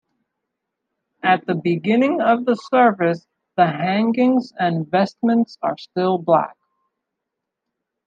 At the beginning of the service, the hangings and vestments are still black.